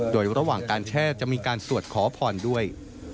โดยระหว่างการแช่จะมีการสวดขอพรด้วย